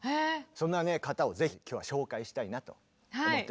そんな方をぜひ今日は紹介したいなと思っております。